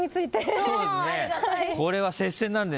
これは接戦なんでね